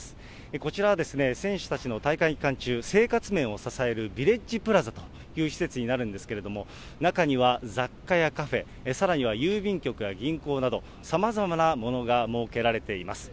こちらは選手たちの大会期間中、生活面を支えるビレッジプラザという施設になるんですけれども、中には雑貨やカフェ、さらには郵便局や銀行など、さまざまなものが設けられています。